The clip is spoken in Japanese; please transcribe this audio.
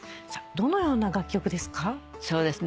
どのような楽曲ですか？